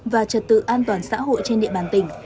và trật tự an toàn xã hội trên địa bàn tỉnh